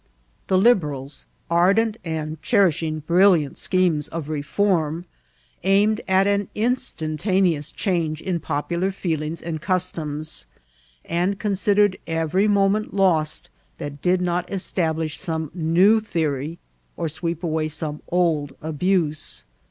The Liberals, ardent, and dierishing iHrilliant schemes of ireform, aimed at an instantaneous change in popular feelings and customs, and considered every moment lost that did not establish some new theory or sweep aveay some old abuse.